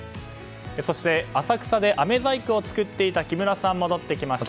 そして、浅草であめ細工を作っていた木村さん、戻ってきました。